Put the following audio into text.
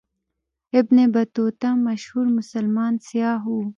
ابن بطوطه مشهور مسلمان سیاح و.